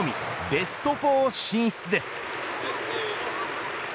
ベスト４進出です。